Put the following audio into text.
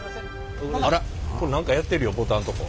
あれ何かやってるよボタンとこ。